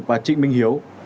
và trịnh minh hiếu